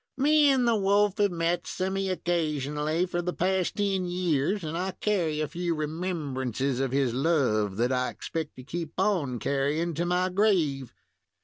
"Me and the Wolf have met semi occasionally for the past ten years, and I carry a few remembrances of his love, that I expect to keep on carrying to my grave."